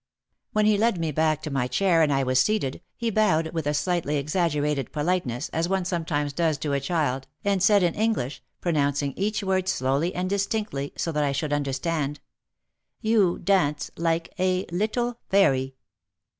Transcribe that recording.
When he led me back to my chair and I was seated he bowed with a slightly exaggerated politeness as one sometimes does to a child, and said in English, pro nouncing each word slowly and distinctly so that I should understand, "You — dance — like — a — little — fairy."